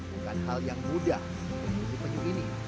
bukan hal yang mudah untuk menuju penyu ini